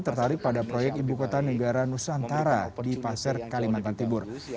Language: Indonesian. tertarik pada proyek ibu kota negara nusantara di pasar kalimantan timur